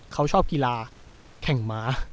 เขาชอบกีฬาแข่งม้า